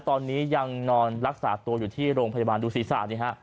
ตอนนี้ยังนอนรักษาตัวอยู่ที่โรงพยาบาลดูศีรษะนี่ฮะ